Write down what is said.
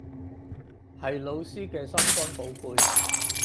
係老師嘅心肝寶貝